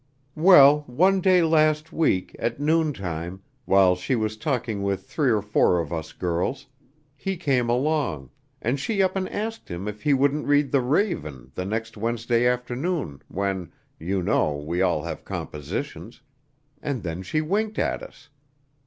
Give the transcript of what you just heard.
Well, one day last week, at noontime, while she was talking with three or four of us girls, he came along, and she up and asked him if he wouldn't read 'The Raven' the next Wednesday afternoon when, you know, we all have compositions, and then she winked at us.